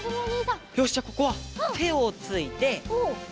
よしじゃあここはてをついて。